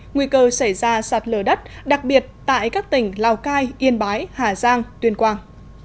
nguy cơ xảy ra sạt lở đất đặc biệt tại các tỉnh lào cai yên bái hà giang tuyên quang